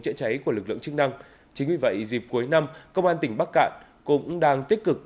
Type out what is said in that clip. chữa cháy của lực lượng chức năng chính vì vậy dịp cuối năm công an tỉnh bắc cạn cũng đang tích cực